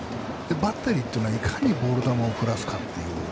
バッテリーというのはいかにボール球を振らせるかと。